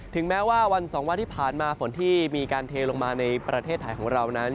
แม้ว่าวันสองวันที่ผ่านมาฝนที่มีการเทลงมาในประเทศไทยของเรานั้น